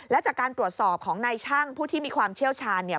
และจากการตรวจสอบของนายช่างผู้ที่มีความเชี่ยวชาญเนี่ย